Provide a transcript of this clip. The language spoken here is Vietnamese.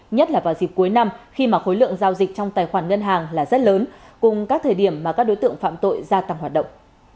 nhất là vào dịp cuối năm khi mà khối lượng giao dịch trong tài khoản ngân hàng là rất lớn cùng các thời điểm mà các đối tượng phạm tội gia tăng hoạt động